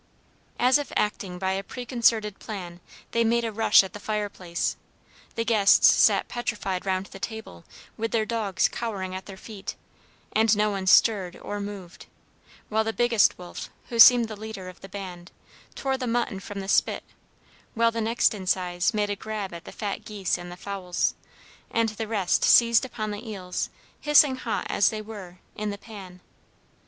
As if acting by a preconcerted plan, they made a rush at the fireplace. The guests sat petrified round the table, with their dogs cowering at their feet, and no one stirred or moved, while the biggest wolf, who seemed the leader of the band, tore the mutton from the spit, while the next in size made a grab at the fat geese and the fowls, and the rest seized upon the eels, hissing hot as they were, in the pan.